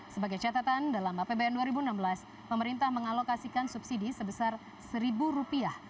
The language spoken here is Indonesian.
sebagai catatan dalam apbn dua ribu enam belas pemerintah mengalokasikan subsidi sebesar rp satu